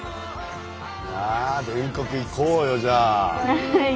全国行こうよじゃあ。